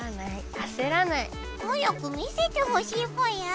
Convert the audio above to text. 早く見せてほしいぽよ。